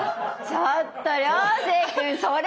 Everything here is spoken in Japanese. ちょっと涼星君それ！